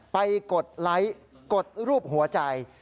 กดไลค์กดรูปหัวใจ